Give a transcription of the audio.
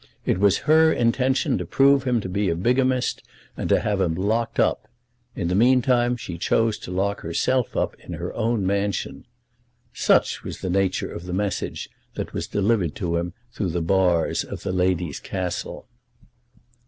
It was her intention to prove him to be a bigamist, and to have him locked up. In the meantime she chose to lock herself up in her own mansion. Such was the nature of the message that was delivered to him through the bars of the lady's castle.